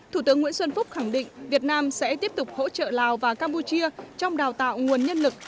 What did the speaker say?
thủ tướng nguyễn xuân phúc khẳng định việt nam sẽ tiếp tục hỗ trợ lào và campuchia trong đào tạo nguồn nhân lực